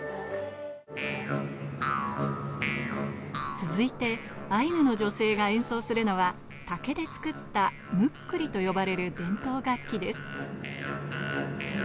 続いてアイヌの女性が演奏するのは、竹で作ったムックリと呼ばれる伝統楽器です。